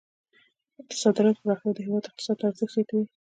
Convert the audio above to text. د صادراتو پراختیا د هیواد اقتصاد ته ارزښت زیاتوي.